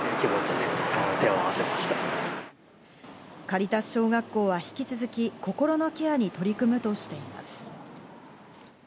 カリタス小学校は引き続き心のケアに取り組むとしています。